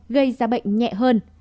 gây ra bệnh nhẹ hơn